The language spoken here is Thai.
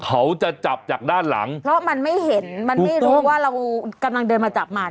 เขาจะจับจากด้านหลังเพราะมันไม่เห็นมันไม่รู้ว่าเรากำลังเดินมาจับมัน